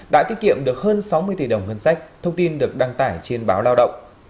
đã tiết kiệm được hơn sáu mươi tỷ đồng ngân sách thông tin được đăng tải trên báo lao động